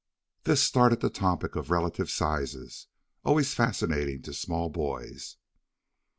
This started the topic of relative sizes, always fascinating to small boys.